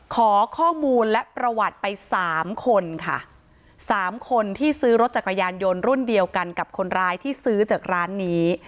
ขอข้อมูลและประวัติไปสามคนค่ะสามคนที่ซื้อรถจักรยานยนต์รุ่นเดียวกันกับคนร้ายที่ซื้อจากร้านนี้